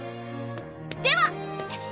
では！